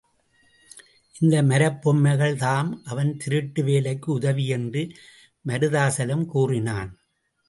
இந்த மரப்பொம்மைகள் தாம் அவன் திருட்டு வேலைக்கு உதவி என்று மருதாசலம் கூறினான்.